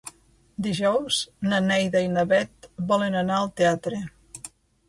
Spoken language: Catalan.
Dijous na Neida i na Bet volen anar al teatre.